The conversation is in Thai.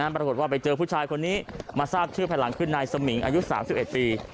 ปรากฏว่าไปเจอผู้ชายคนนี้มาทราบชื่อภายหลังคือนายสมิงอายุ๓๑ปี